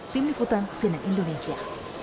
tim liputan sinen indonesia